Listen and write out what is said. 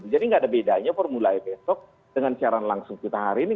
jadi nggak ada bedanya formulanya besok dengan siaran langsung kita hari ini